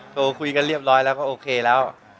โทรคุยกันเรียบร้อยแล้วก็โอเคแล้ว